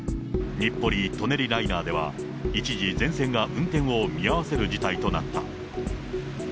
日暮里舎人ライナーでは一時全線が運転を見合わせる事態となった。